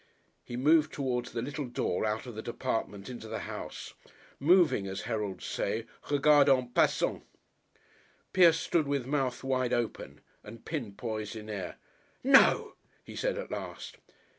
He moved towards the little door out of the department into the house, moving, as heralds say, regardant passant. Pierce stood with mouth wide open and pin poised in air. "No!" he said at last.